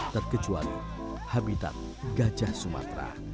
terkecuali habitat gajah sumatera